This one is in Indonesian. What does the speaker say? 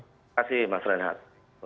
terima kasih mas renhat